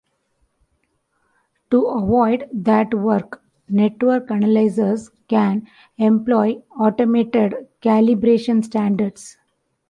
To avoid that work, network analyzers can employ automated calibration standards.